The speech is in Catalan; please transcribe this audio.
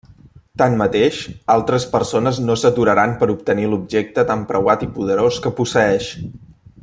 Tanmateix, altres persones no s'aturaran per obtenir l'objecte tan preuat i poderós que posseeix.